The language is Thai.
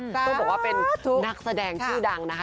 ต้องบอกว่าเป็นนักแสดงชื่อดังนะคะ